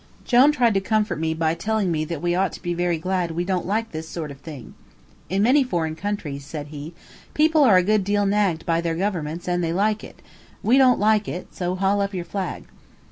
Jone tried to comfort me by telling me that we ought to be very glad we don't like this sort of thing. "In many foreign countries," said he, "people are a good deal nagged by their governments and they like it; we don't like it, so haul up your flag."